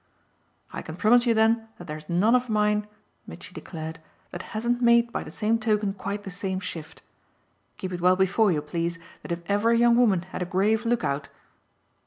"I can promise you then that there's none of mine," Mitchy declared, "that hasn't made by the same token quite the same shift. Keep it well before you, please, that if ever a young woman had a grave lookout